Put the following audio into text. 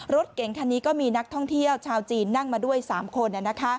รถเก๋งคันนี้ก็มีนักท่องเที่ยวชาวจีนนั่งมาด้วย๓คน